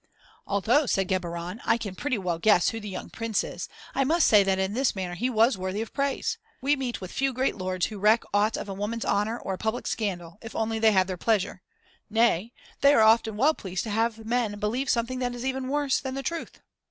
"Although," said Geburon, "I can pretty well guess who the young Prince is, I must say that in this matter he was worthy of praise. We meet with few great lords who reck aught of a woman's honour or a public scandal, if only they have their pleasure; nay, they are often well pleased to have men believe something that is even worse than the truth."